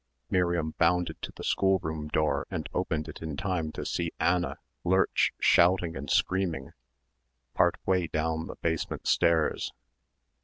Miriam bounded to the schoolroom door and opened it in time to see Anna lurch, shouting and screaming, part way down the basement stairs.